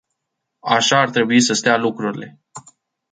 Așa ar trebui să stea lucrurile.